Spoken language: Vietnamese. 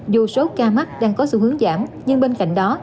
dù số ca mắc đang có xu hướng giảm nhưng bên cạnh đó